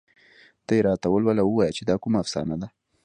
ته یې راته ولوله او ووايه چې دا کومه افسانه ده